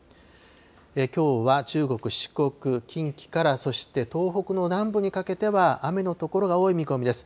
きょうは中国、四国、近畿から、そして東北の南部にかけては雨の所が多い見込みです。